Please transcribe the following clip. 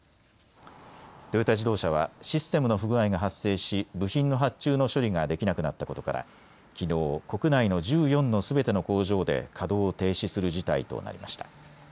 トヨタ自動車はシステムの不具合が発生し部品の発注の処理ができなくなったことからきのう国内の１４のすべての工場で稼働を停止する事態となりました。